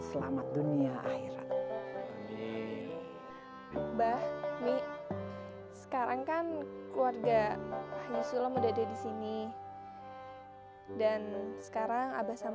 selamat dunia akhirat bahmi sekarang kan keluarga yesus allah muda dari sini dan sekarang abah sama